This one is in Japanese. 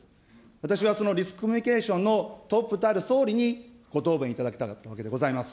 私はそのリスクコミュニケーションのトップたる総理に、ご答弁いただきたかったわけでございます。